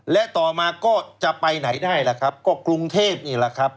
และต่อมาก็จะไปไหนได้ล่ะครับก็กรุงเทพนี่แหละครับ